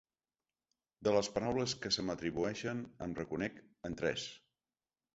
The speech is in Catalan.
De les paraules que se m'atribueixen em reconec en tres.